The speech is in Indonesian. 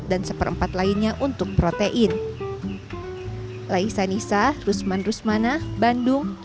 dan seperempat lainnya untuk protein